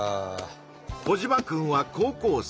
コジマくんは高校生。